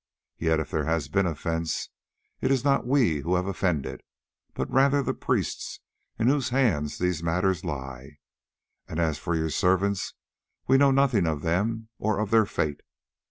Yet if there has been offence, it is not we who have offended, but rather the priests in whose hands these matters lie; and as for your servants, we know nothing of them, or of their fate.